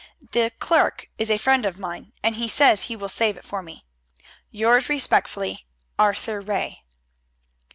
The clerk is a friend of mine, and he says he will save it for me. Yours respectfully, Arthur Ray.